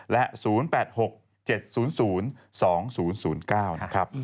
และ๐๘๖๗๐๐๒๐๐๙นะครับ